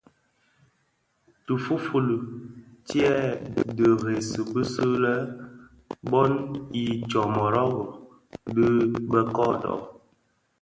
Tifufuli tye dheresi bisi lè bon i ntsōmōrōgō dhi be Kodo,